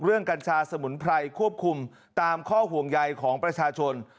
กัญชาสมุนไพรควบคุมตามข้อห่วงใยของประชาชน